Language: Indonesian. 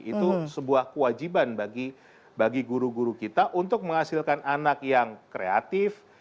itu sebuah kewajiban bagi guru guru kita untuk menghasilkan anak yang kreatif